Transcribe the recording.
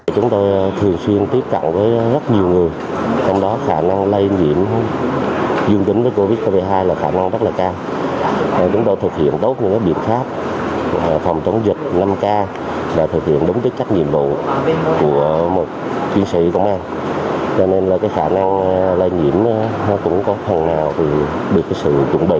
trong đợt này bệnh viện sẽ tiêm toàn bộ mũi một cho cán bộ chiến sĩ công an các đơn vị trên địa bàn thành phố đà nẵng